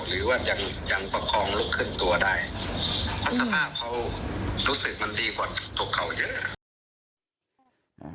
หรือว่ายังยังประคองลุกขึ้นตัวได้เพราะสภาพเขารู้สึกมันดีกว่าตกเขาเยอะ